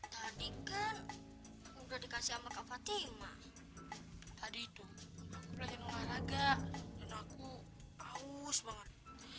tadi kan udah dikasih sama kak fatima tadi itu aku lagi olahraga dan aku haus banget